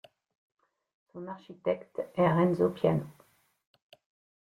Son architecte est Renzo Piano.